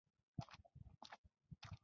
له سکالا ورپورته له څو ملګرو سره مخ شوم.